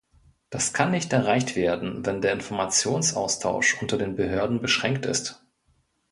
Das kann nicht erreicht werden, wenn der Informationsaustausch unter den Behörden beschränkt ist.